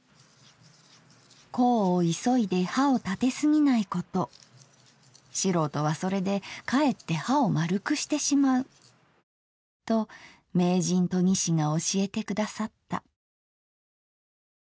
「功をいそいで刃をたてすぎないこと素人はそれで却って刃を丸くしてしまう・・・・・・と名人研ぎ師が教えて下さった」。